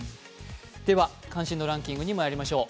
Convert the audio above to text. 関心度ランキングにまいりましょう。